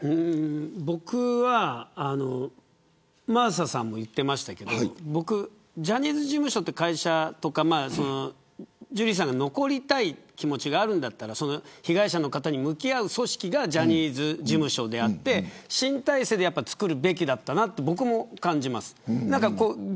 僕は、真麻さんも言っていましたけどジャニーズ事務所という会社とかジュリーさんが残りたい気持ちがあるんだったら被害者の方に向き合う組織がジャニーズ事務所であって新体制でつくるべきだったなと僕も感じます。